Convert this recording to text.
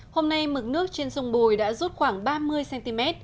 hôm nay mực nước trên sông bùi đã rút khoảng ba mươi cm